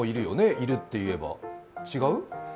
いるっていえば、違う？